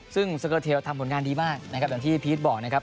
ซึ่งสเกอร์เทลทำผลงานดีมากสักที่พีชบอกนะครับ